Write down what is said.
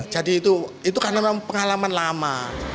jadi itu karena pengalaman lama